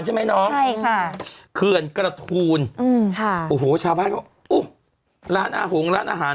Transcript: ดับอินเมืองครใช่ไหมเนอะขื่นกระทูลโอหูชาวบ้านโอ้ยร้านหงร้านอาหาร